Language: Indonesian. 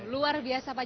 luar biasa pak